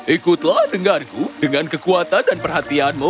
ikutlah denganku dengan kekuatan dan perhatianmu